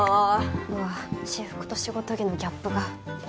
うわ私服と仕事着のギャップが。